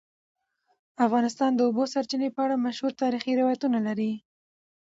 افغانستان د د اوبو سرچینې په اړه مشهور تاریخی روایتونه لري.